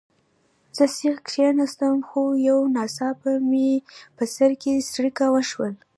زه سیخ کښېناستم، خو یو ناڅاپه مې په سر کې څړیکه وشول.